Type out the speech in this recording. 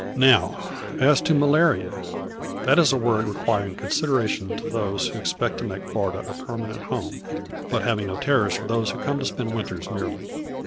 Now as to malaria. That is a word requiring consideration to those who expect to make Florida a permanent home, but having no terrors for those who come to spend winters merely.